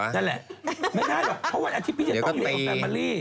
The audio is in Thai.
นั่นแหละไม่ได้หรอกเพราะวันอาทิตย์จะต้องอยู่กับแฟมอรี่